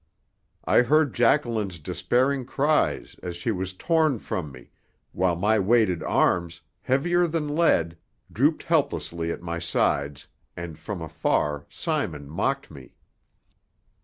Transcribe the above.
I heard Jacqueline's despairing cries as she was torn from me, while my weighted arms, heavier than lead, drooped helplessly at my sides, and from afar Simon mocked me.